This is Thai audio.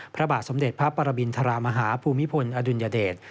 พระบาทสมเด็จพระปรมินทรมาฮาภูมิพลอดุลยเดช